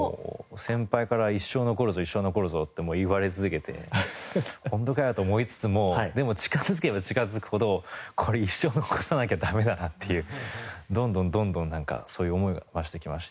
先輩から「一生残るぞ一生残るぞ」って言われ続けてホントかよと思いつつもでも近づけば近づくほどこれ一生残さなきゃダメだなっていうどんどんどんどんなんかそういう思いが増してきまして。